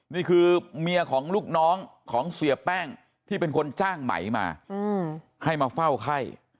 นี่คือเมียของลูกน้องของเสียแป้งที่เป็นคนจ้างไหมมาให้มาเฝ้าไข้